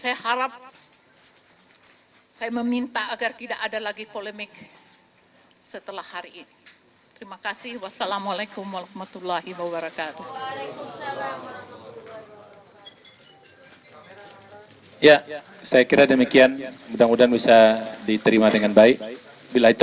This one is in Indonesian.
ya saya kira demikian mudah mudahan bisa diterima dengan baik bila itu